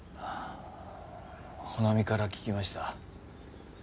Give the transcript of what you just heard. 帆奈美から聞きました。